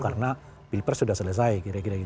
karena bilpres sudah selesai kira kira gitu